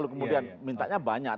kemudian minta banyak